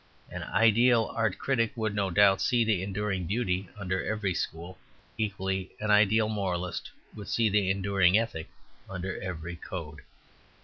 An ideal art critic would, no doubt, see the enduring beauty under every school; equally an ideal moralist would see the enduring ethic under every code.